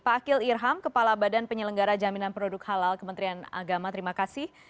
pak akhil irham kepala badan penyelenggara jaminan produk halal kementerian agama terima kasih